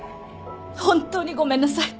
本当にごめんなさい